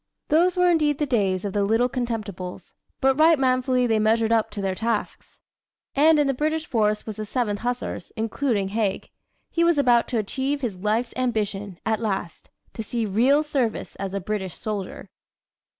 Those were indeed the days of the "Little Contemptibles," but right manfully they measured up to their tasks. And in the British force was the Seventh Hussars, including Haig. He was about to achieve his life's ambition, at last to see real service as a British soldier.